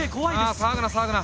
ああ騒ぐな騒ぐな。